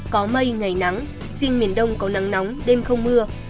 có mây ngày nắng riêng miền đông có nắng nóng đêm không mưa